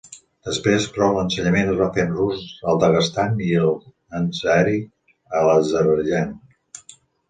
Després, però, l'ensenyament es va fer en rus al Daguestan i en àzeri a l'Azerbaidjan.